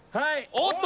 おっと？